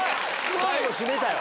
最後締めたよ。